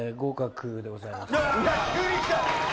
急にきた！